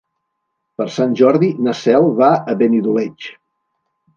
Per Sant Jordi na Cel va a Benidoleig.